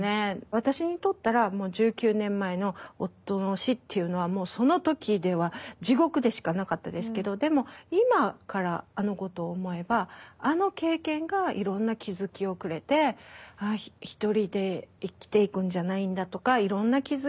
私にとったら１９年前の夫の死っていうのはもうその時では地獄でしかなかったですけどでも今からあのことを思えばあの経験がいろんな気付きをくれて１人で生きていくんじゃないんだとかいろんな気付き